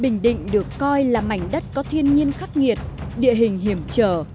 bình định được coi là mảnh đất có thiên nhiên khắc nghiệt địa hình hiểm trở